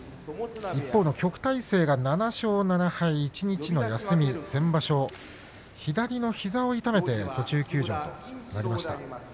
一方の旭大星、７勝７敗一日の休み先場所、左の膝を痛めて途中休場となりました。